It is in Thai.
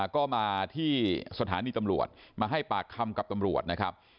ก็มาที่สถานีตำรวจมาให้ปากคำกับตำรวจนะครับ